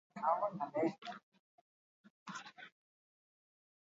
Erritmoa, beraz, txerto berriak iristearekin batera handituko da.